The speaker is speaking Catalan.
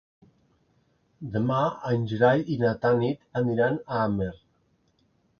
Demà en Gerai i na Tanit aniran a Amer.